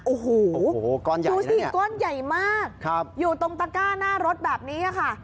โอ้โหก้อนใหญ่ดูสิก้อนใหญ่มากอยู่ตรงตะก้าหน้ารถแบบนี้ค่ะ